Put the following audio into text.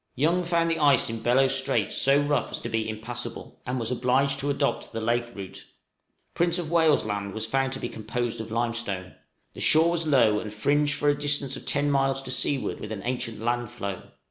Young found the ice in Bellot Strait so rough as to be impassable, and was obliged to adopt the lake route. Prince of Wales' Land was found to be composed of limestone; the shore was low, and fringed for a distance of ten miles to seaward with an ancient land floe.